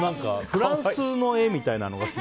フランスの絵みたいなやつ。